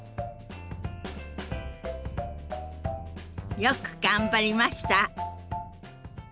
よく頑張りました。